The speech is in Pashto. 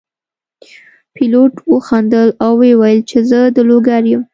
پیلوټ وخندل او وویل چې زه د لوګر یم.